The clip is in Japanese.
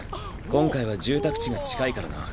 今回は住宅地が近いからな。